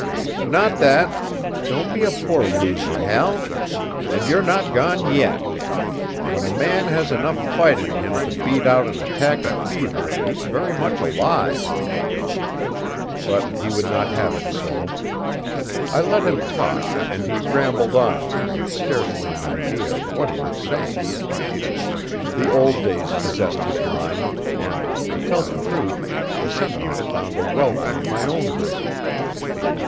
"Not that don't be a poor loser, Hal. And you're not gone yet. When a man has enough fight in him to beat out an attack of fever he's very much alive." But he would not have it so. I let him talk, and he rambled on, with scarcely an idea of what he was saying. The old days possessed his mind, and, to tell the truth, the sentiment found a welcome in my own bosom.